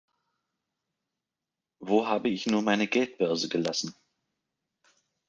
Wo habe ich nur meine Geldbörse gelassen?